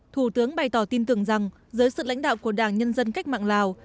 thủ tướng bày tỏ tin tưởng rằng dưới sự lãnh đạo của đảng nhân dân cách mạng lào